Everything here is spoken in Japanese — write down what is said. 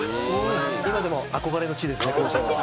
今でも憧れの地です、甲子園は。